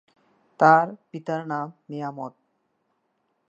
তাঁর পিতার নাম নিয়ামত।